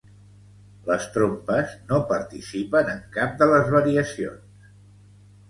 Les trompes no participen en cap de les variacions.